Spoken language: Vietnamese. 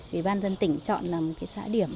vì ban dân tỉnh chọn làm xã điểm